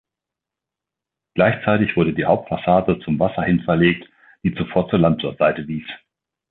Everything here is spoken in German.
Gleichzeitig wurde die Hauptfassade zum Wasser hin verlegt, die zuvor zur Landseite wies.